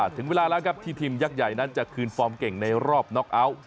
ถึงเวลาแล้วครับที่ทีมยักษ์ใหญ่นั้นจะคืนฟอร์มเก่งในรอบน็อกเอาท์